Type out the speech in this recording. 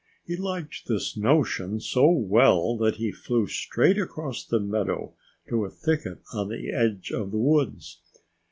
He liked this notion so well that he flew straight across the meadow to a thicket on the edge of the woods.